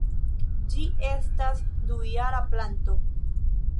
Ĝi estas dujara planto.